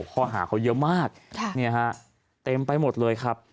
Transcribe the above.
ข้อหาเขาเยอะมากเต็มไปหมดเลยครับ